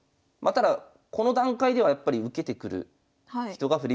ただこの段階ではやっぱり受けてくる人が振り